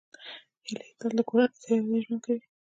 هیلۍ تل له کورنۍ سره یوځای ژوند کوي